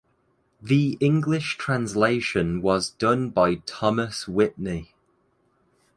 The English translation was done by Thomas Whitney.